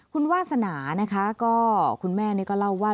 คุณวาสนานะคะก็คุณแม่นี่ก็เล่าว่า